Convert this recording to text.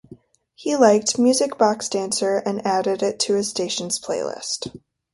He liked "Music Box Dancer" and added it to his station's playlist.